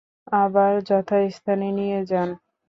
আবার যথাস্থানে নিয়ে যান!